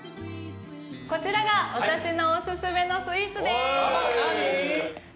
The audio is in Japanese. こちらが私のオススメのスイーツです。